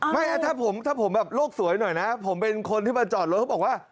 ไม่ถ้าผมแบบโลกสวยหน่อยนะผมเป็นคนที่มาจอดรถเขาบอกว่า